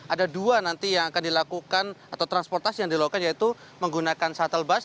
ada dua nanti yang akan dilakukan atau transportasi yang dilakukan yaitu menggunakan shuttle bus